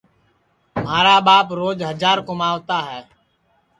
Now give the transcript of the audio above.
مھارا ٻاپ روج ہجار کُموتا ہے